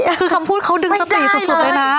เออคำพูดเขาดึงสติสุดไม่ได้เลย